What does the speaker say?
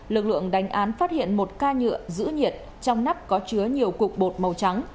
lực lượng đánh án phát hiện một ca nhựa giữ nhiệt trong nắp có chứa nhiều cục bột màu trắng